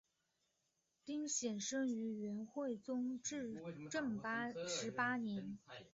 丁显生于元惠宗至正十八年。